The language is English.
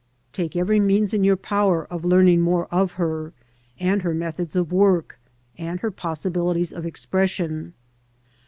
Take every means in your power of learning more of her, and her methods of work, and her possibilities of expression.